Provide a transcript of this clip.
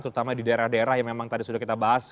terutama di daerah daerah yang memang tadi sudah kita bahas